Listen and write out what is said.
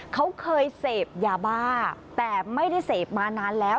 เขาเคยเสพยาบ้าแต่ไม่ได้เสพมานานแล้ว